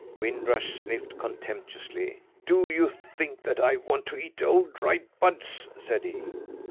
Wind Rush sniffed contemptuously. "Do you think that I want to eat old, dry buds?" said he.